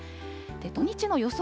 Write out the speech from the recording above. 土日の予想